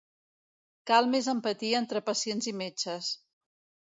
Cal més empatia entre pacients i metges.